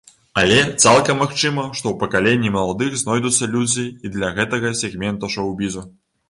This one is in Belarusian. Але, цалкам магчыма, што ў пакаленні маладых знойдуцца людзі і для гэтага сегмента шоў-бізу.